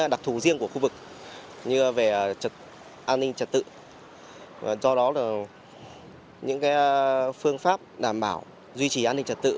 đặc thù riêng của khu vực như về an ninh trật tự do đó là những phương pháp đảm bảo duy trì an ninh trật tự